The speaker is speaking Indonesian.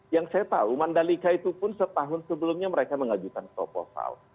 yang saya tahu mandalika itu pun setahun sebelumnya mereka mengajukan proposal